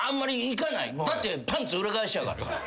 だってパンツ裏返しやから。